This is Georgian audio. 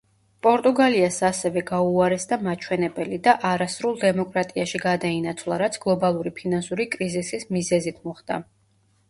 პორტუგალიას ასევე გაუუარესდა მაჩვენებელი და არასრულ დემოკრატიაში გადაინაცვლა, რაც გლობალური ფინანსური კრიზისის მიზეზით მოხდა.